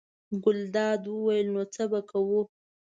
ګلداد وویل: نو څه به کوو.